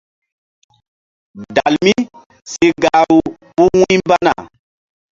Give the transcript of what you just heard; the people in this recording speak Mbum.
Dalmi si gahru puh wu̧ymbana.